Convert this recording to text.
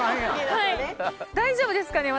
大丈夫ですかね？